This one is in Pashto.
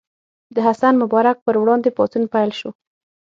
د حسن مبارک پر وړاندې پاڅون پیل شو.